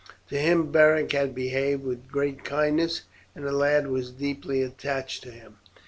To him Beric had behaved with great kindness, and the lad was deeply attached to him.